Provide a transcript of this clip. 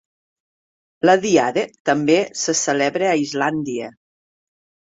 La diada també se celebra a Islàndia.